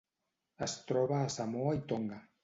Es troba a Samoa i Tonga.